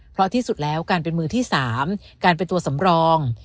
เพราะที่สุดแล้วการเป็นมือที่๓การเป็นตัวสำรอง